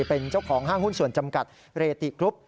เป็นเจ้าของห้างหุ้นส่วนจำกัดเรติกรุ๊ป